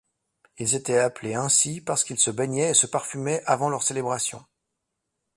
Ils étaient appelés ainsi parce qu'ils se baignaient et se parfurmaient avant leurs célébrations.